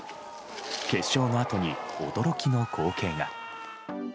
決勝のあとに驚きの光景が。